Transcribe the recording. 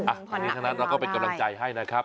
อันนี้ทั้งนั้นเราก็เป็นกำลังใจให้นะครับ